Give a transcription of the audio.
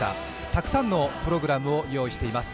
たくさんのプログラムを用意しています。